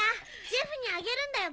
ジェフにあげるんだよ